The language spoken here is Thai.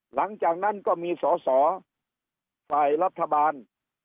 หลังจากนั้นก็มีสอสอฝ่ายรัฐบาล